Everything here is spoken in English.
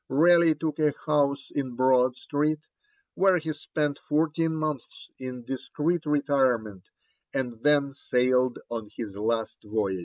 Raleigh took a house in Broad Street, where he spent fourteen months in discreet retirement, and then sailed on his last voyage.